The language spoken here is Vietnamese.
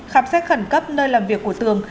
khám xét khẩn cấp nơi làm việc của tường